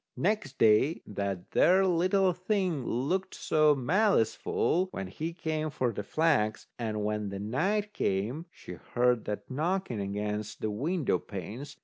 Next day that there little thing looked so maliceful when he came for the flax. And when night came, she heard that knocking against the window panes.